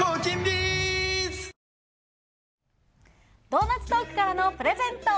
「ドーナツトーク」からのプレゼント